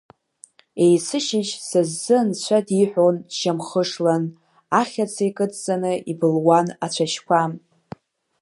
Есышьыжь са сзы анцәа диҳәон дшьамхнышлан, Ахьаца икыдҵаны ибылуан ацәашьқәа.